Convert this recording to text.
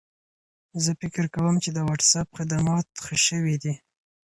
زه فکر کوم چې د وټساپ خدمات ښه شوي دي.